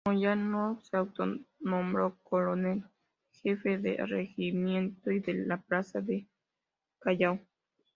Moyano se autonombró ""coronel Jefe del Regimiento y de la Plaza del Callao"".